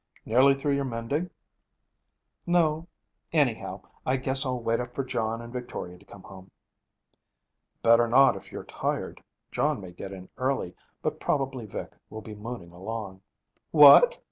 Nearly through your mending?' 'No. Anyhow, I guess I'll wait up for John and Victoria to come home.' 'Better not, if you're tired. John may get in early, but probably Vic will be mooning along.' 'What?'